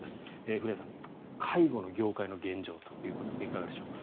古屋さん、介護の業界の現状ということですがいかがでしょうか。